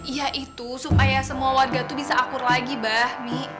ya itu supaya semua warga tuh bisa akur lagi bah mi